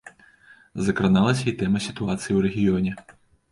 Закраналася і тэма сітуацыі ў рэгіёне.